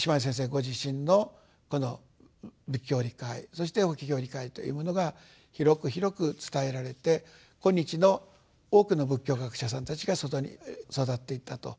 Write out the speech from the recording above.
ご自身のこの仏教理解そして法華経理解というものが広く広く伝えられて今日の多くの仏教学者さんたちが外に育っていったと。